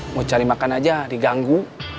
mau cari makan aja diganggu